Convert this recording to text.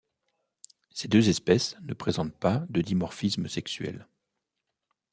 Ces deux espèces ne présentent pas de dimorphisme sexuel.